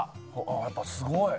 やっぱすごい！